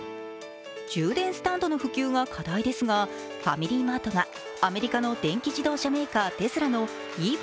充電スタンドの普及が課題ですがファミリーマートがアメリカの電気自動車メーカー・テスラのＥＶ